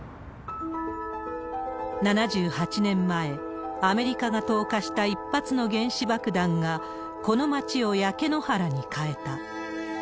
７８年前、アメリカが投下した１発の原子爆弾が、この街を焼け野原に変えた。